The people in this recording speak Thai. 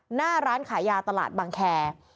หน้าร้านขายยาตลาดบางแคร์